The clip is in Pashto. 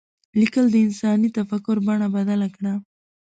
لیکل د انساني تفکر بڼه بدله کړه.